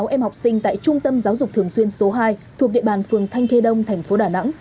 sáu em học sinh tại trung tâm giáo dục thường xuyên số hai thuộc địa bàn phường thanh khê đông thành phố đà nẵng